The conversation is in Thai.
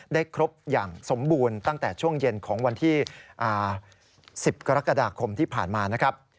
ได้ครบอย่างสมบูรณ์ตั้งแต่ช่วงเย็นของวันที่๑๐กรกฎาคมที่ผ่านมานะครับ